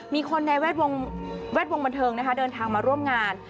มีคนในแวดวงบันเทิงนะคะเดินทางมาร่วมงาน